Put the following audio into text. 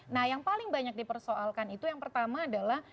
nah yang paling banyak dipersoalkan itu yang pertama adalah